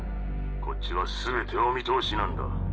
こっちは全てお見通しなんだ。